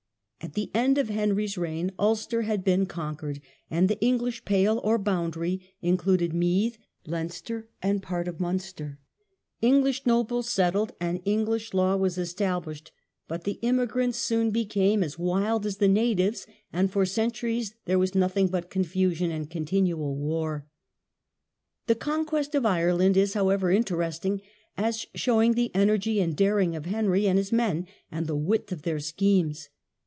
At the end of Henry's reign Ulster had been conquered, and the English pale (or boundary) included Meath, Leinster, and part of Munster. English nobles settled and English law was established, but the immigrants soon became as IRELAND UNDER HENRY II. 2/ wild as the natives, and for centxiries there was nothing but confusion and continual war. The conquest of Ireland is, however, interesting, as showing the energy and daring of Henry and his men, and the width of their schemes.